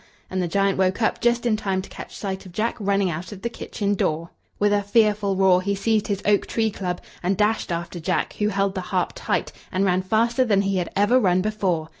and the giant woke up just in time to catch sight of Jack running out of the kitchen door. With a fearful roar, he seized his oak tree club, and dashed after Jack, who held the harp tight, and ran faster than he had ever run before.